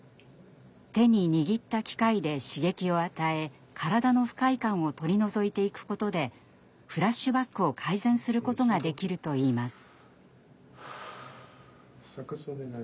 手に握った機械で刺激を与え体の不快感を取り除いていくことでフラッシュバックを改善することができるといいます。